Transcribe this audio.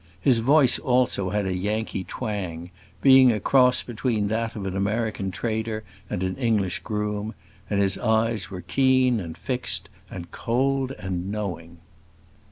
His voice also had a Yankee twang, being a cross between that of an American trader and an English groom; and his eyes were keen and fixed, and cold and knowing.